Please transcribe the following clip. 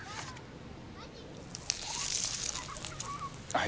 はい。